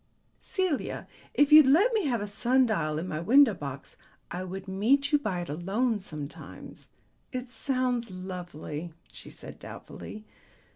Celia, if you'd let me have a sun dial in my window box, I would meet you by it alone sometimes." "It sounds lovely," she said doubtfully.